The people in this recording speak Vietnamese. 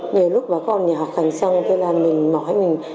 nhiều lúc vào con nhà họ khẳng xong thế là mình mỏi mình